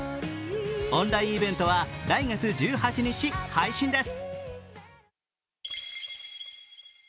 オンラインイベントは来月１８日配信です。